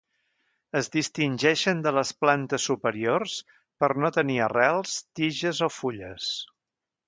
Es distingeixen de les plantes superiors per no tenir arrels, tiges o fulles.